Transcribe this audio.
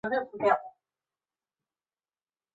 缺瓣重楼是黑药花科重楼属的变种。